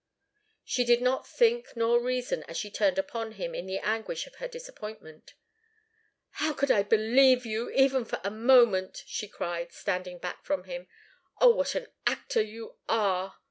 She did not think nor reason, as she turned upon him in the anguish of her disappointment. "How could I believe you even for a moment?" she cried, standing back from him. "Oh, what an actor you are!"